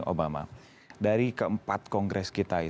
obama dari ke empat kongres kita itu kira kira